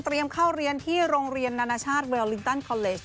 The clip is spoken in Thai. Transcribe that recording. เข้าเรียนที่โรงเรียนนานาชาติเวลลิงตันคอนเลส